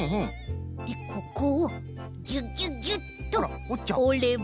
でここをギュギュギュッとおれば。